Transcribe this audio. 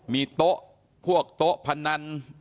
มีโต๊ะพวกโต๊ะพนัน